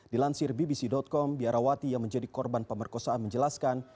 dilansir bbc com biarawati yang menjadi korban pemerkosaan menjelaskan